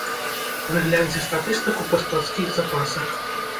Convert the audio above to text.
Вы гляньце статыстыку па складскіх запасах.